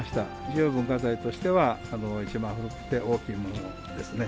重要文化財としては、一番古くて大きいものですね。